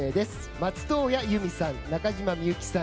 松任谷由実さん、中島みゆきさん